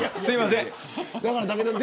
すいません。